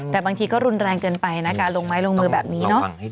แต่บางทีก็รุนแรงเกินไปลงไม้ลงมือแบบนี้